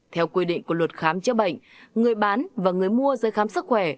theo quy định của luật khám chữa bệnh người bán và người mua giấy khám sức khỏe